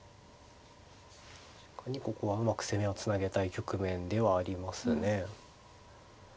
確かにここはうまく攻めをつなげたい局面ではありますね。